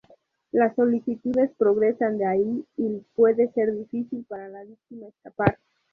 Las solicitudes progresan de ahí y puede ser difícil para la víctima escapar.